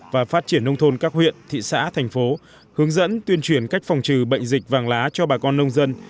và phát triển nông thôn các huyện thị xã thành phố hướng dẫn tuyên truyền cách phòng trừ bệnh dịch vàng lá cho bà con nông dân